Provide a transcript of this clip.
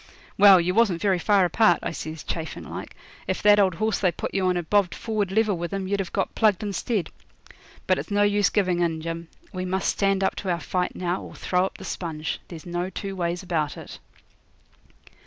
'Well, you wasn't very far apart,' I says, chaffing like. 'If that old horse they put you on had bobbed forward level with him you'd have got plugged instead. But it's no use giving in, Jim. We must stand up to our fight now, or throw up the sponge. There's no two ways about it.'